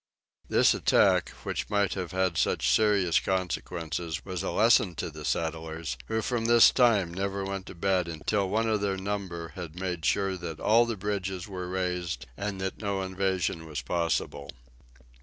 This attack, which might have had such serious consequences, was a lesson to the settlers, who from this time never went to bed until one of their number had made sure that all the bridges were raised, and that no invasion was possible.